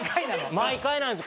毎回なんです。